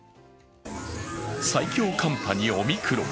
最強寒波にオミクロン。